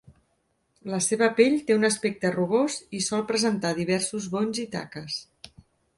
La seva pell té un aspecte rugós i sol presentar diversos bonys i taques.